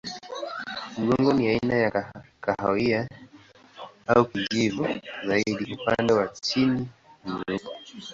Mgongo ni aina ya kahawia au kijivu zaidi, upande wa chini ni mweupe.